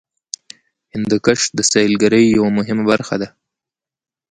هندوکش د سیلګرۍ یوه مهمه برخه ده.